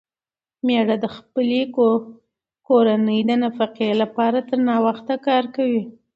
مېړه د خپلې کورنۍ د نفقې لپاره تر ناوخته کار کوي.